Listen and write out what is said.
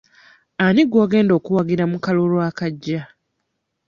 Ani gw'ogenda okuwagira mu kalulu akajja?